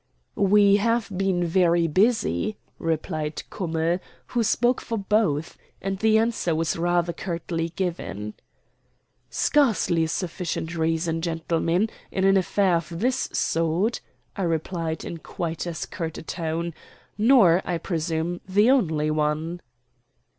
"We have been very busy," replied Kummell, who spoke for both; and the answer was rather curtly given. "Scarcely a sufficient reason, gentlemen, in an affair of this sort," I replied in quite as curt a tone, "nor, I presume, the only one."